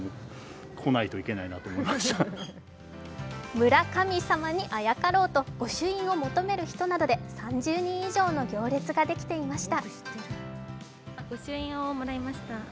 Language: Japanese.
村神様にあやかろうと御朱印を求める人などで３０人以上の行列ができていました。